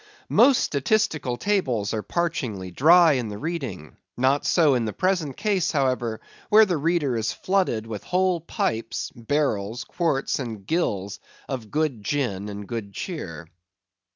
Most statistical tables are parchingly dry in the reading; not so in the present case, however, where the reader is flooded with whole pipes, barrels, quarts, and gills of good gin and good cheer.